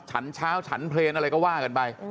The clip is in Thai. ฉันเช้าฉันเพลงอะไรก็ว่ากันไป